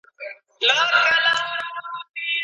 که نسيم الوزي اِېرې اوروي